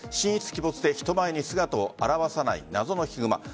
鬼没で人前に姿を現さない謎のヒグマ。